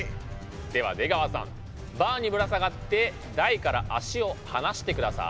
では出川さんバーにぶら下がって台から足を離してください。